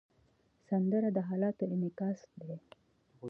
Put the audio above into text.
سندره د حالاتو انعکاس دی